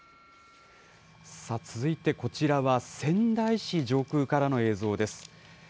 続いて、こちらは仙台市上空からの映像です。